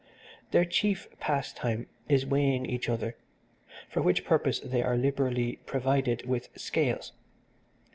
Their chief pastime is weighing each other, for which purpose they are liberally provided with scales.